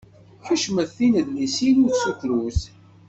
Kecmet tinedlisin ur ttkukrut!